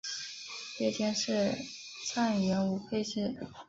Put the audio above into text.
夜间是站员无配置。